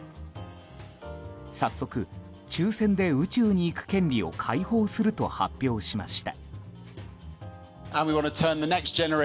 早速、抽選で宇宙に行く権利を解放すると発表しました。